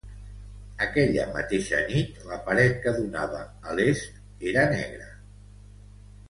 Aquella mateixa nit la paret que donava a l'est era negra.